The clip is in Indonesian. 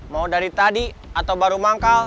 mau dari tadi atau baru manggal